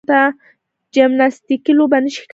جمناستیکي لوبه نه شي کولای.